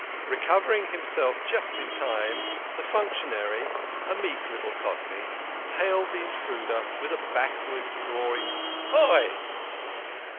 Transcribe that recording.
Recovering himself just in time, the functionary (a meek little Cockney) hailed the intruder with a backward drawing " Hi